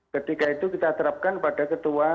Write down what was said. ketika itu kita terapkan pada ketua